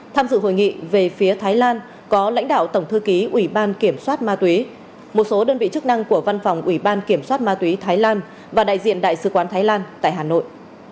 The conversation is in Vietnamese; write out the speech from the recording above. tham dự hội nghị về phía thái lan có lãnh đạo tổng thư ký ủy ban kiểm soát ma túy một số đơn vị chức năng của văn phòng ủy ban kiểm soát ma túy thái lan và đại diện đại sứ quán thái lan tại hà nội